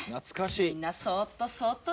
みんなそっとそっとで。